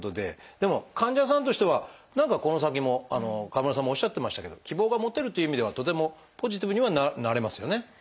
でも患者さんとしては何かこの先も川村さんもおっしゃってましたけど希望が持てるという意味ではとてもポジティブにはなれますよね。